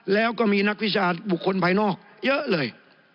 แล้วก็มีนักวิชาบุคคลภายนอกเยอะเลย